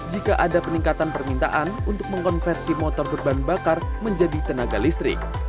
jika ada peningkatan permintaan untuk mengkonversi motor berbahan bakar menjadi tenaga listrik